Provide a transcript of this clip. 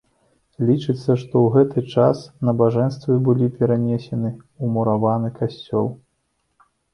Лічыцца, што ў гэты час набажэнствы былі перанесены ў мураваны касцёл.